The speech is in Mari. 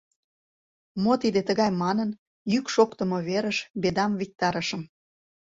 Мо тиде тыгай манын, йӱк шоктымо верыш «Бедам» виктарышым.